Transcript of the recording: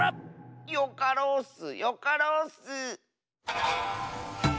よかろうッスよかろうッス！